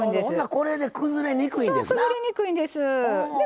これで崩れにくいんですな。